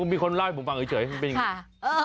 มีคนเล่าให้ผมฟังเฉยมันเป็นยังไง